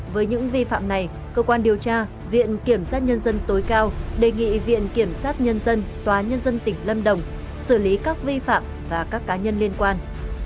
với những vi phạm này cơ quan điều tra viện kiểm sát nhân dân tối cao đề nghị viện kiểm sát nhân dân tòa nhân dân tỉnh lâm đồng xử lý các vi phạm và các cá nhân liên quan